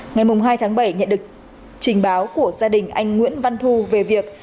ngày hai tháng bảy nhận được trình báo của gia đình anh nguyễn văn thu về việc